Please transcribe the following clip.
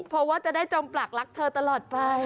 เพราะว่าจะได้จมปลักรักเธอตลอดไป